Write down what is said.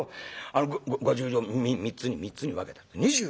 あの５０両を３つに３つに分けたんです。